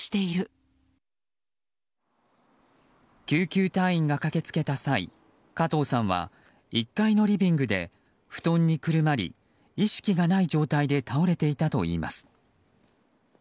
救急隊員が駆けつけた際加藤さんは１階のリビングで布団にくるまり意識がない状態で倒れていたといいます。